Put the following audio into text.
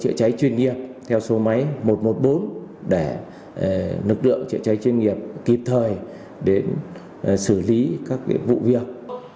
chữa cháy chuyên nghiệp theo số máy một trăm một mươi bốn để lực lượng chữa cháy chuyên nghiệp kịp thời đến xử lý các vụ việc